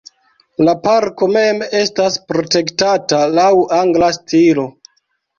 La parko mem estas protektata laŭ angla stilo.